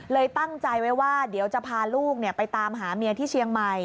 ตั้งใจไว้ว่าเดี๋ยวจะพาลูกไปตามหาเมียที่เชียงใหม่